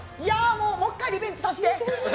もう、もう１回リベンジさせて！